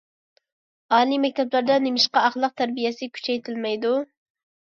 ئالىي مەكتەپلەردە نېمىشقا ئەخلاق تەربىيەسى كۈچەيتىلمەيدۇ؟